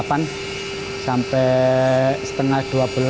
terus itu habis berdor itu kembali jam satu